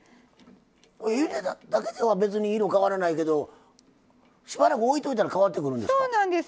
ゆでただけでは色は変わらないけどしばらく置いといたら変わってくるんですか？